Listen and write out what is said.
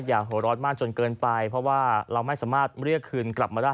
หัวร้อนมากจนเกินไปเพราะว่าเราไม่สามารถเรียกคืนกลับมาได้